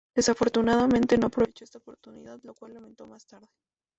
Desafortunadamente, no aprovechó esta oportunidad, lo cual lamentó más tarde.